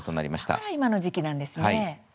だから今の時期なんですね。